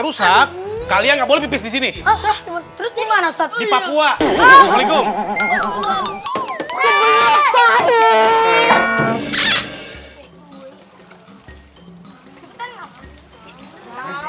rusak kalian nggak boleh disini terus dimana satu di papua assalamualaikum